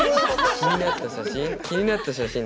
気になった写真？